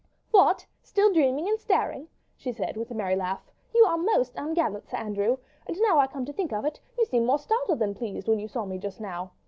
"What? Still dreaming and staring?" she said, with a merry laugh, "you are most ungallant, Sir Andrew; and now I come to think of it, you seemed more startled than pleased when you saw me just now.